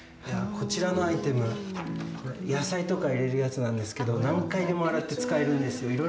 こちらのアイテム、これ野菜とか入れるやつなんですけど、何回も洗って使えるんですよ。